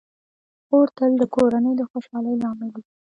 خور تل د کورنۍ د خوشحالۍ لامل وي.